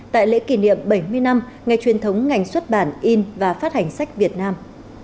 tại lễ kỷ niệm bảy mươi năm ngày truyền thống ngành xuất bản in và phát hành sách việt nam